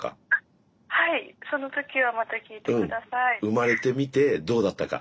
生まれてみてどうだったか。